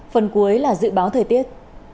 phần cuối là dự báo thời tiết